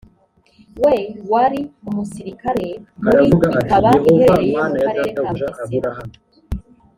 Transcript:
we wari umusirikare muri ikaba iherereye mu karere ka bugesera